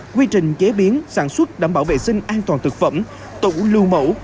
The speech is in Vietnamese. quy trình chế biến sản xuất đảm bảo vệ sinh an toàn thực phẩm tủ lưu mẫu